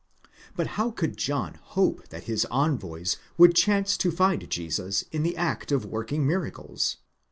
But how could John hope that his envoys would chance to find Jesus in the act of working miracles?